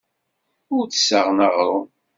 Ur d-ssaɣen aɣrum.